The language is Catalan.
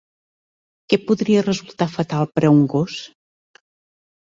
Què podria resultar fatal per un gos?